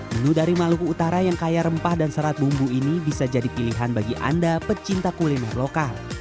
menu dari maluku utara yang kaya rempah dan serat bumbu ini bisa jadi pilihan bagi anda pecinta kuliner lokal